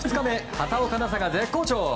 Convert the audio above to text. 畑岡奈紗が絶好調！